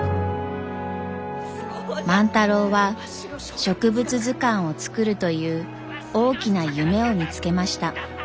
万太郎は植物図鑑を作るという大きな夢を見つけました。